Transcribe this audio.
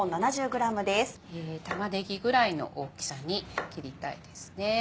玉ねぎぐらいの大きさに切りたいですね。